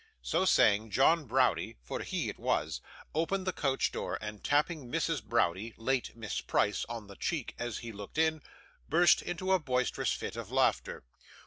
So saying, John Browdie for he it was opened the coach door, and tapping Mrs. Browdie, late Miss Price, on the cheek as he looked in, burst into a boisterous fit of laughter.